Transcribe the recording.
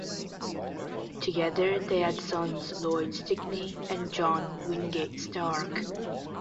Together they had sons Lloyd Stickney and John Wingate Stark.